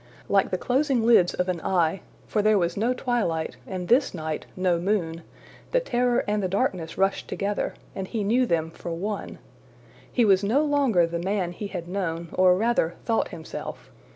Like the closing lids of an eye for there was no twilight, and this night no moon the terror and the darkness rushed together, and he knew them for one. He was no longer the man he had known, or rather thought himself.